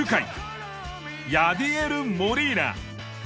ヤディエル・モリーナ。